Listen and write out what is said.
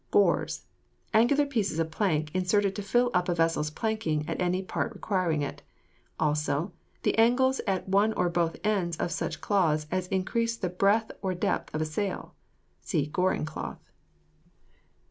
GORES. Angular pieces of plank inserted to fill up a vessel's planking at any part requiring it. Also, the angles at one or both ends of such cloths as increase the breadth or depth of a sail. (See GORING CLOTH.)